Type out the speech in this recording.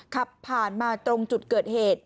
ขับผ่านมาตรงจุดเกิดเหตุ